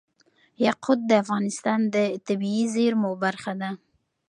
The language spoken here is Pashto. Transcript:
یاقوت د افغانستان د طبیعي زیرمو برخه ده.